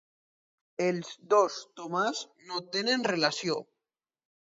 Els dos Tomàs no tenen relació.